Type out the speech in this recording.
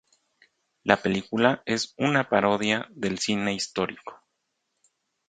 La película es una parodia del cine histórico.